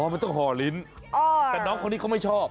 มันต้องห่อลิ้นแต่น้องคนนี้เขาไม่ชอบ